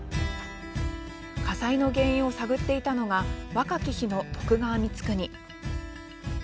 火災の原因を探っていたのが若き日の徳川光圀。